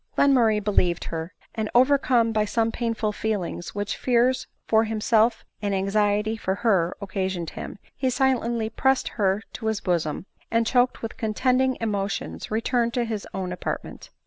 Glenmurray believed her; and overcome by some painful feelings, which fears lor himself and anxiety for her occasioned him, he silently pressed her to his bosom ; and choked with contending emotions, returned to his own apartment.